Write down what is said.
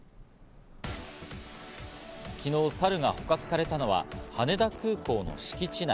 昨日サルが捕獲されたのは羽田空港の敷地内。